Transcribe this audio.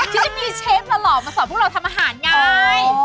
ที่มีเชฟหล่อมาสอนพวกเราทำอาหารไง